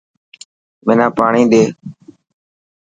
منا پاڻي ڏي.